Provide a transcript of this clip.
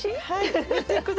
はい。